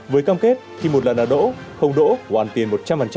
với cam kết khi một lần là đỗ không đỗ và hoàn tiền một trăm linh